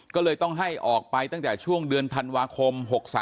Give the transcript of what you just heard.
ก็เลยต้องให้ออกไปตั้งแต่ช่วงเดือนธันวาคม๖๓